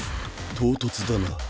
唐突だな。